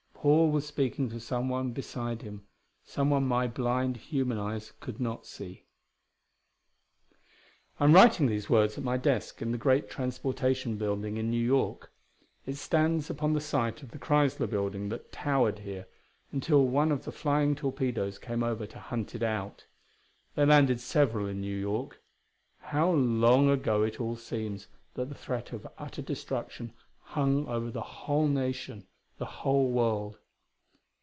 Paul was speaking to someone beside him someone my blind, human eyes could not see.... I am writing these words at my desk in the great Transportation Building in New York. It stands upon the site of the Chrysler Building that towered here until one of the flying torpedoes came over to hunt it out. They landed several in New York; how long ago it all seems that the threat of utter destruction hung over the whole nation the whole world.